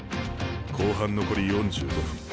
後半残り４５分。